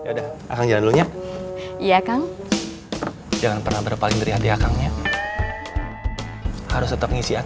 udah akan jalan dulunya iya kang jangan pernah berpaling dari hadiah kangnya harus tetap ngisiak